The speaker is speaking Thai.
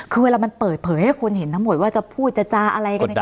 จะเปิดเผยให้คนเห็นทั้งหมดว่าจะพูดจะจาอะไร